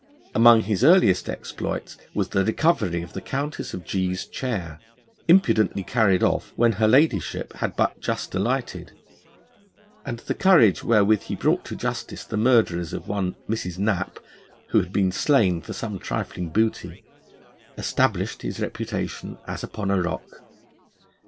Among his earliest exploits was the recovery of the Countess of G d n's chair, impudently carried off when her ladyship had but just alighted; and the courage wherewith he brought to justice the murderers of one Mrs. Knap, who had been slain for some trifling booty, established his reputation as upon a rock.